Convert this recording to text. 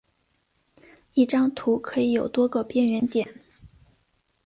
一张图可以有多个边缘点。